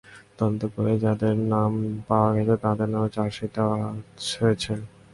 তদন্ত করে যাদের নাম পাওয়া গেছে, তাদের নামে চার্জশিট দেওয়া হয়েছে।